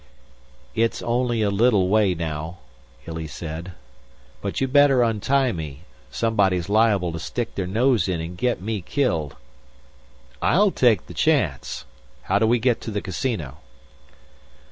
"It's only a little way now," Illy said. "But you better untie me. Somebody's liable to stick their nose in and get me killed." "I'll take the chance. How do we get to the casino?"